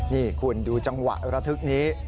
นี่คุณดูจังหวะระทึกนี้